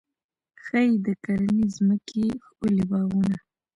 ښې د کرنې ځمکې، ښکلي باغونه